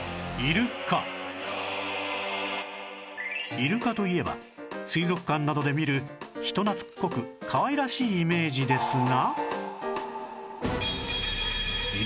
イルカといえば水族館などで見る人懐っこくかわいらしいイメージですが